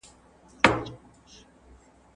تخلیقي فکرونه د پرمختګ لامل کیږي.